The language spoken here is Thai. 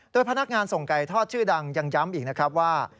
โดยพนักงานส่งไก่ทอดชื่อดังยังย้ำอีกนะครับว่า